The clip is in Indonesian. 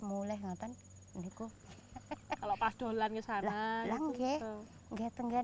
mereka akan dilahirkan sepeningnya